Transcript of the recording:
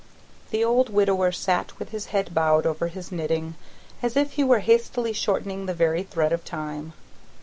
The old widower sat with his head bowed over his knitting, as if he were hastily shortening the very thread of time.